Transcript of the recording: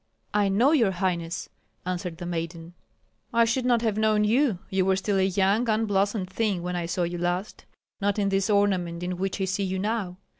"I know your highness," answered the maiden. "I should not have known you; you were still a young, unblossomed thing when I saw you last, not in this ornament in which I see you now.